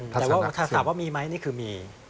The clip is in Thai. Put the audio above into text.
แต่ว่าถ้าถามว่ามีไหมนี่คือมี